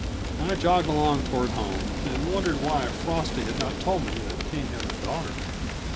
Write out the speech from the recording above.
I jogged along toward home, and wondered why Frosty had not told me that King had a daughter.